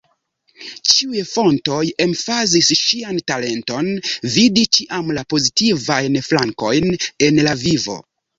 Ĉiuj fontoj emfazis ŝian talenton vidi ĉiam la pozitivajn flankojn en la vivo.